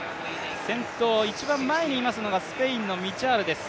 先頭にいますのはスペインのミチャールです。